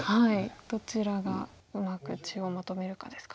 どちらがうまく中央まとめるかですか。